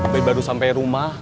bayi baru sampai rumah